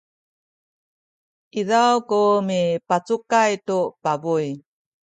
izaw ku mipacukay tu pabuy